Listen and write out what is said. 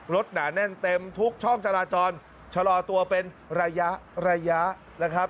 หนาแน่นเต็มทุกช่องจราจรชะลอตัวเป็นระยะระยะนะครับ